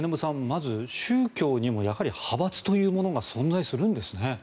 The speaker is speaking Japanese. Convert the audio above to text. まず、宗教にもやはり派閥というものが存在するんですね。